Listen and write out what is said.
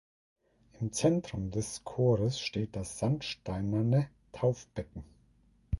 Im Zentrum des Chores steht das sandsteinerne Taufbecken.